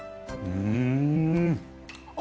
うん。